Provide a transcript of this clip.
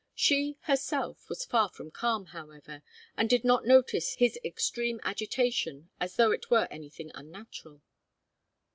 She, herself, was far from calm, however, and did not notice his extreme agitation as though it were anything unnatural.